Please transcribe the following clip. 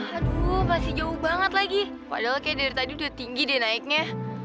aduh masih jauh banget lagi padahal kayak dari tadi udah tinggi deh naiknya